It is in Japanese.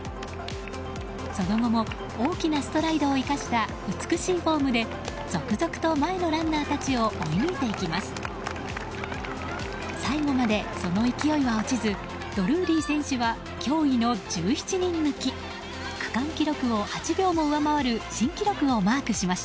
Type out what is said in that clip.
その後も大きなストライドを生かした美しいフォームで続々と前のランナーたちを追い抜いていきます。